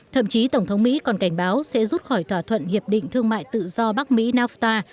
thậm chí tổng thống mỹ còn cảnh báo sẽ rút khỏi thỏa thuận hiệp định thương mại tự do bắc mỹ nafta